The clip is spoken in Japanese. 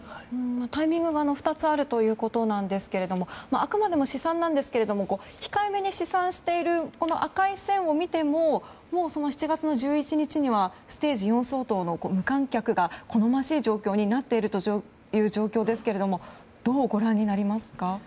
タイミングは２つあるということなんですがあくまでも試算なんですが控えめに試算している赤い線を見ても７月１１日にはステージ４相当の無観客が好ましい状況になっているという状況ですがどうご覧になりますか？